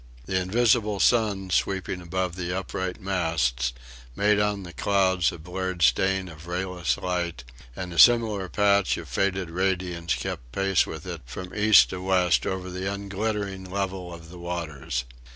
The invisible sun, sweeping above the upright masts, made on the clouds a blurred stain of rayless light, and a similar patch of faded radiance kept pace with it from east to west over the unglittering level of the waters.